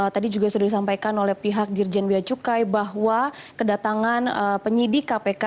tadi juga sudah disampaikan oleh pihak dirjen biacukai bahwa kedatangan penyidik kpk